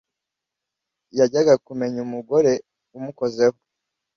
yajyaga kumenya umugore umukozeho